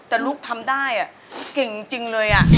แต่ลูกทำได้เก่งจริงเลย